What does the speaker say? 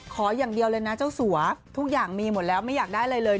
ขออย่างเดียวเลยนะเจ้าสัวทุกอย่างมีหมดแล้วไม่อยากได้อะไรเลย